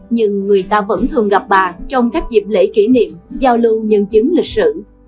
nhưng người ta vẫn thường gặp bà trong các dịp lễ kỷ niệm giao lưu nhân chứng lịch sử